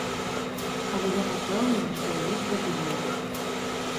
Але ён упэўнены, што яе прыдумаюць.